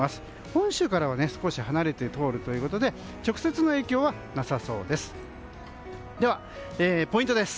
本州からは少し離れて通るということで直接の影響はなさそうです。